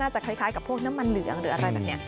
จะคล้ายกับพวกน้ำมันเหลืองหรืออะไรแบบนี้